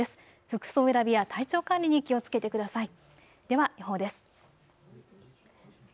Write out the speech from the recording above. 服装選びや体調管理に気をつけてください。